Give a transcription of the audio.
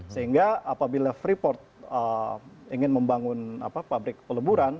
sehingga apabila freeport ingin membangun pabrik peleburan